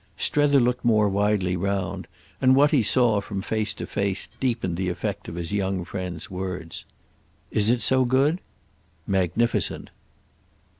Strether looked more widely round, and what he saw, from face to face, deepened the effect of his young friend's words. "Is it so good?" "Magnificent."